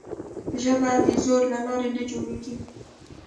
ژبه د زور له لارې نه جوړېږي.